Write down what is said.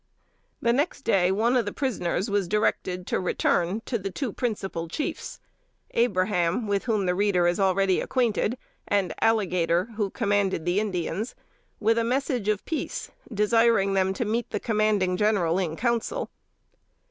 The next day one of the prisoners was directed to return to the two principal chiefs, Abraham, with whom the reader is already acquainted, and Alligator, who commanded the Indians, with a message of peace, desiring them to meet the commanding General in council.